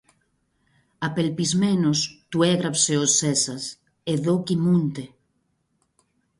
Απελπισμένος του έγραψε ο Ζέζας: "Εδώ κοιμούνται